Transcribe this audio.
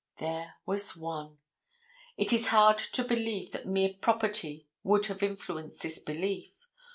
There was one. It is hard to believe that mere property would have influenced this belief.